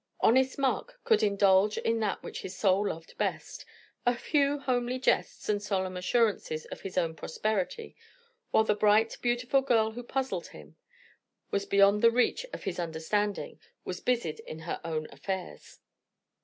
Honest Mark could indulge in that which his soul loved best; a few homely jests and solemn assurances of his own prosperity, while the bright, beautiful girl who puzzled him, was beyond the reach of his understanding, was busied in her own affairs.